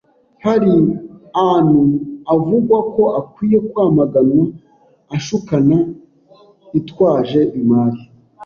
Hari antu avugwa ko akwiye kwamaganwa ashukana itwaje imari